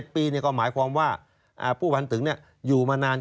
๗ปีก็หมายความว่าผู้พันตึงอยู่มานาน